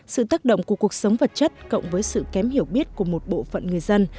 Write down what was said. sự tác động của cuộc sống vật chất cộng với sự kém hiểu biết của một bộ phận người dân